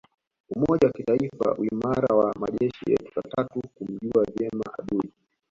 Umoja wa kitaifa uimara wa majeshi yetu tatu kumjua vyema adui